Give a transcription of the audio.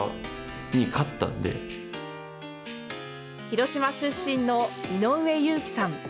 広島出身の井上祐貴さん。